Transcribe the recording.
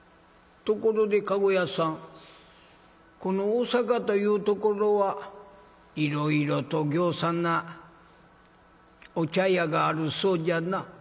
「ところで駕籠屋さんこの大坂というところはいろいろとぎょうさんなお茶屋があるそうじゃな」。